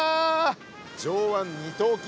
上腕二頭筋